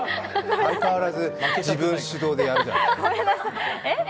相変わらず自分主導でやるじゃん。